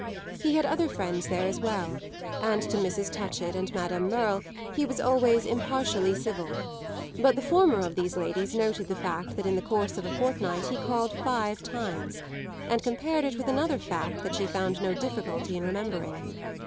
He had other friends there as well, and to Mrs. Touchett and Madame Merle he was always impartially civil; but the former of these ladies noted the fact that in the course of a fortnight he called five times, and compared it with another fact that she found no difficulty in remembering.